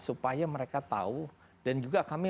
supaya mereka tahu dan juga kami